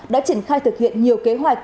đã triển khai thực hiện nhiều kế hoạch